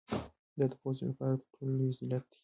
دا د یو پوځ لپاره تر ټولو لوی ذلت دی.